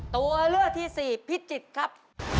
ตัวเลือกที่สี่พิจิตรครับ